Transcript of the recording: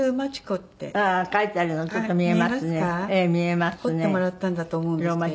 彫ってもらったんだと思うんですけれども。